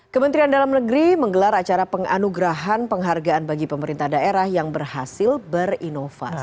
kementerian dalam negeri menggelar acara penganugerahan penghargaan bagi pemerintah daerah yang berhasil berinovasi